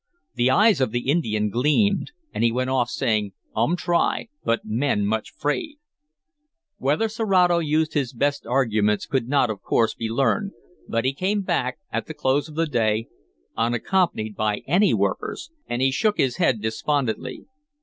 The eyes of the Indian gleamed, and he went off, saying. "Um try, but men much 'fraid." Whether Serato used his best arguments could not, of course, be learned, but he came back at the close of the day, unaccompanied by any workers, and he shook his head despondently.